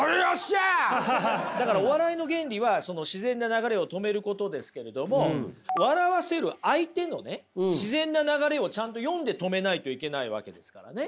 お笑いの原理は自然な流れを止めることですけれども笑わせる相手の自然な流れをちゃんと読んで止めないといけないわけですからね。